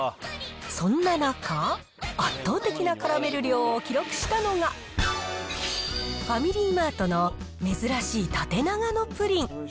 そんな中、圧倒的なカラメル量を記録したのが、ファミリーマートの珍しい縦長のプリン。